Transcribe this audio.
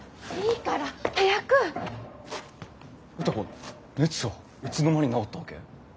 いつの間に治ったわけ？